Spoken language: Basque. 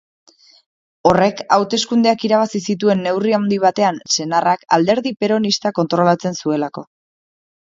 Horrek hauteskundeak irabazi zituen neurri handi batean senarrak alderdi peronista kontrolatzen zuelako.